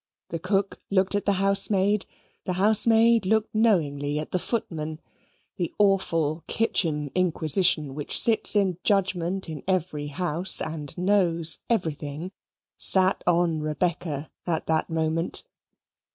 The cook looked at the housemaid, the housemaid looked knowingly at the footman the awful kitchen inquisition which sits in judgement in every house and knows everything sat on Rebecca at that moment.